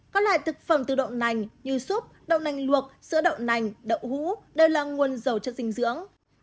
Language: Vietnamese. các loại thực phẩm từ đậu nành như súp đậu nành luộc sữa đậu nành đậu hũ đều là nguồn dầu chất dinh dưỡng